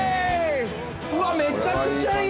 うわっめちゃくちゃいい！